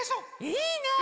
いいね！